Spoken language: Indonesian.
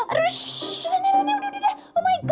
arushhh rene rene udah udah